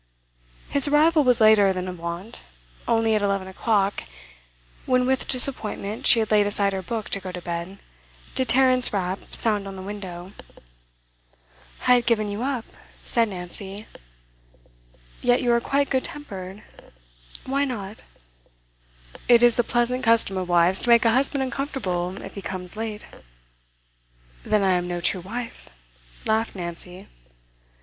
His arrival was later than of wont. Only at eleven o'clock, when with disappointment she had laid aside her book to go to bed, did Tarrant's rap sound on the window. 'I had given you up,' said Nancy. 'Yet you are quite good tempered.' 'Why not?' 'It is the pleasant custom of wives to make a husband uncomfortable if he comes late.' 'Then I am no true wife!' laughed Nancy.